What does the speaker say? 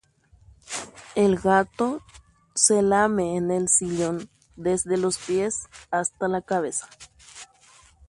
mbarakaja ojeheréi sillón-pe ipy guive iñakã peve